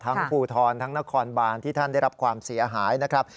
ภูทรทั้งนครบานที่ท่านได้รับความเสียหายนะครับ